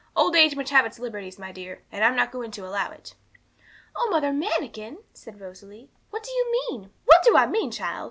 Old age must have its liberties, my dear, and I'm not going to allow it.' 'Oh, Mother Manikin,' said Rosalie, 'what do you mean?' 'What do I mean, child?